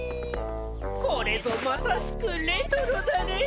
これぞまさしくレトロだレトロ！